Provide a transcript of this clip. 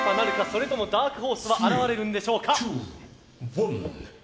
それともダークホースは現れるんでしょうか。